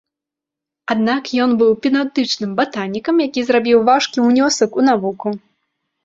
Аднак ён быў педантычным батанікам, які зрабіў важкі ўнёсак у навуку.